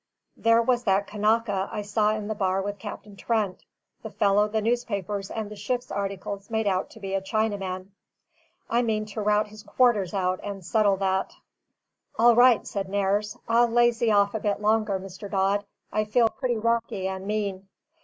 "There was that Kanaka I saw in the bar with Captain Trent, the fellow the newspapers and ship's articles made out to be a Chinaman. I mean to rout his quarters out and settle that." "All right," said Nares. "I'll lazy off a bit longer, Mr. Dodd; I feel pretty rocky and mean."